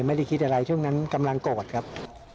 ไม่ได้คิดอะไรช่วงนั้นกำลังโกรธครับ